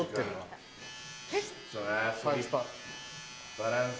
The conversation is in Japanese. バランス。